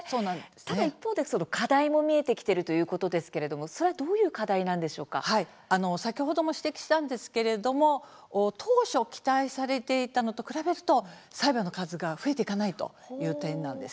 一方で課題も見えてきているということですが先ほども指摘したんですけれども当初期待されていたのと比べると裁判の数が増えていないという点です。